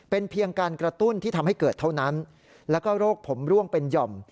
เป็นเพียงการกระตุ้นที่ทำให้เกิดเท่านั้นแล้วก็โรคผมร่วงเป็นห่อม